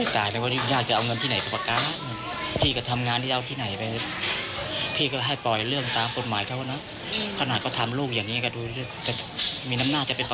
แต่ทั้งพี่กับญาติเขาก็ยังดีกันครับ